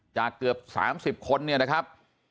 จากเกือบ๓๐คนนะครับ